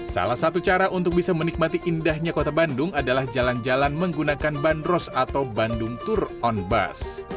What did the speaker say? salah satu cara untuk bisa menikmati indahnya kota bandung adalah jalan jalan menggunakan bandros atau bandung tour on bus